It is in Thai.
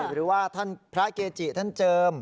หรือว่าท่านพระเกจิท่านเจิม